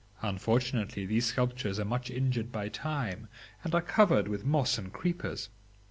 Unfortunately these sculptures are much injured by time, and are covered with moss and creepers.